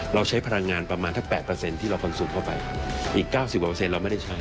เราใช้พลังงานประมาณถ้า๘ที่เราคอนซูมเข้าไปอีก๙๐เราไม่ได้ใช้